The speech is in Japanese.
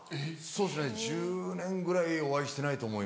そうですね１０年ぐらいお会いしてないと思います。